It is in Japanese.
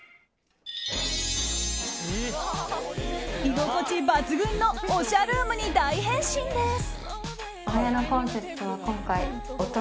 居心地抜群のおしゃルームに大変身です！